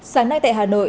sáng nay tại hà nội